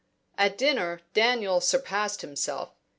At dinner, Daniel surpassed himself.